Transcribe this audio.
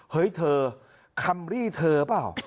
เฮ้ยเธอคัมรี่เธอเปล่า